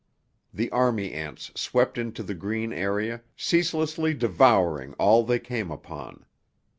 The army ants swept into the green area, ceaselessly devouring all they came upon.